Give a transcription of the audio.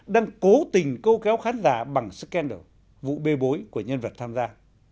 đang cố tình câu kéo khán giả bằng scander vụ bê bối của nhân vật tham gia